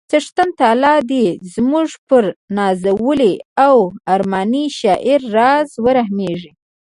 څښتن تعالی دې زموږ پر نازولي او ارماني شاعر راز ورحمیږي